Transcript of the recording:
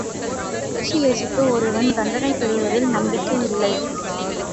கன்பூசியசுக்கு ஒருவன் தண்டனை பெறுவதில் நம்பிக்கை இல்லை.